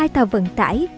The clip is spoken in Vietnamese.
hai tàu vận tải